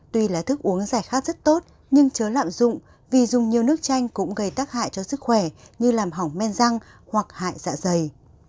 tuy là thức uống giải khát rất tốt nhưng chớ lạm dụng vì dùng nhiều nước chanh cũng gây tác hại cho sức khỏe như làm hỏng men răng hoặc hại dạ dày